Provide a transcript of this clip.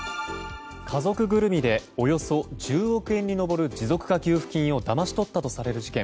家族ぐるみでおよそ１０億円に上る持続化給付金をだまし取ったとされる事件。